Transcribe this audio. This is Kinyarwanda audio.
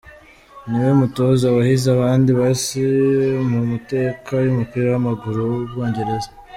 Ni we mutoza wahize abandi bose mu mateka y'umupira w'amaguru w'Ubwongereza.